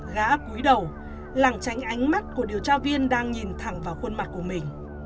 gá cúi đầu lặng tranh ánh mắt của điều tra viên đang nhìn thẳng vào khuôn mặt của mình